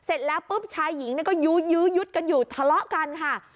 เสร็จแล้วปุ๊บชายหญิงก็ยื้อยื้อยุดกันอยู่ทะเลาะกันค่ะ